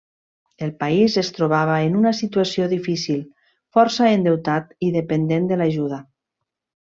El país es trobava en una situació difícil, força endeutat i dependent de l'ajuda.